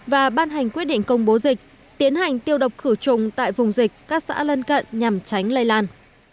và ban hành quyết định công bố dịch tiến hành tiêu độc khử trùng tại vùng dịch các xã lân cận nhằm tránh lây lan